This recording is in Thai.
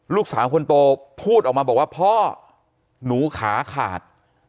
ลูกสาวคนโตพูดออกมาบอกว่าพ่อหนูขาขาด